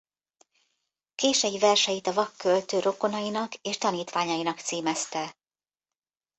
Kései verseit a vak költő rokonainak és tanítványainak címezte.